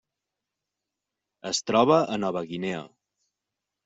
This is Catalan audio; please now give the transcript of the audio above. Es troba a Nova Guinea.